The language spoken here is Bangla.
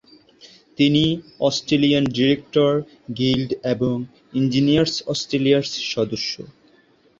তিনি অস্ট্রেলিয়ান ডিরেক্টর গিল্ড এবং ইঞ্জিনিয়ার্স অস্ট্রেলিয়ার সদস্য।